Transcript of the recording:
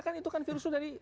kan awalnya itu kan virus dari